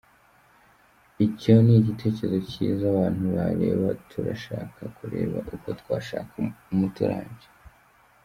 Icyo ni igitekerezo cyiza abantu bareba turashaka kureba uko twashaka umuti urambye.”